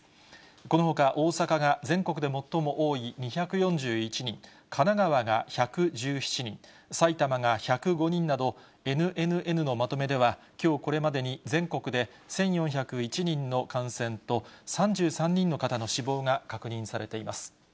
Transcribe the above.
このほか、大阪が全国で最も多い２４１人、神奈川が１１７人、埼玉が１０５人など、ＮＮＮのまとめでは、きょうこれまでに、全国で１４０１人の感染と、３３人の方の死亡が確認されています。